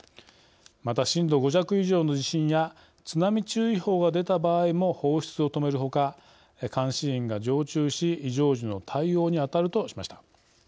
また震度５弱以上の地震や津波注意報が出た場合も放出を止めるほか監視員が常駐し異常時の対応に当たるとしました。